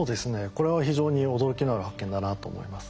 これは非常に驚きのある発見だなと思います。